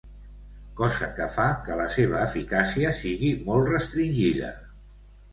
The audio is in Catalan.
cosa que fa que la seva eficàcia sigui molt restringida